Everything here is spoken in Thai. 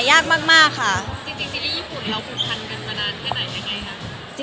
ซีรีส์ญี่ปุ่นเราคุกคันมานานแน่ยังไง